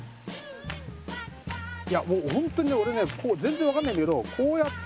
いやもうホントにね俺ね全然わかんないんだけどこうやって。